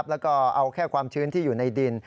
แล้วก็เอาแค่ความชื้นที่อยู่ในดิน